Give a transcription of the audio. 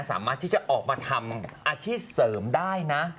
สามารถที่จะออกมาทำอาชีพเสริมได้นะ